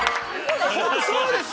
本当そうですよ！